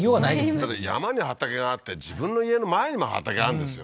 だって山に畑があって自分の家の前にも畑あるんですよ